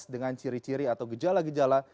dengan ciri ciri atau gejala gejala